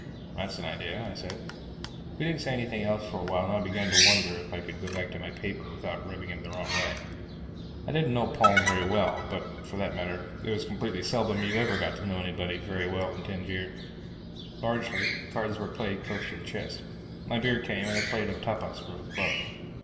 "That's an idea," I said. We didn't say anything else for a while and I began to wonder if I could go back to my paper without rubbing him the wrong way. I didn't know Paul very well, but, for that matter, it's comparatively seldom you ever get to know anybody very well in Tangier. Largely, cards are played close to the chest. My beer came and a plate of tapas for us both.